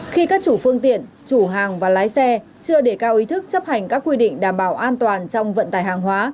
khi các chủ phương tiện chủ hàng và lái xe chưa đề cao ý thức chấp hành các quy định đảm bảo an toàn trong vận tải hàng hóa